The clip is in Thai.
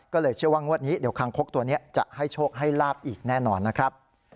ก็เลยเชื่อว่างวดนี้เดี๋ยวคางคกตัวนี้จะให้โชคให้ลาบอีกแน่นอนนะครับ